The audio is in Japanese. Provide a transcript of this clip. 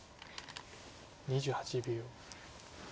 ２８秒。